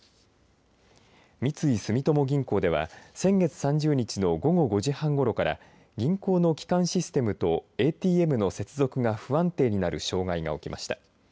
三井住友銀行では先月３０日の午後５時半ごろから銀行の基幹システムとＡＴМの接続が不安定になる障害が起きました。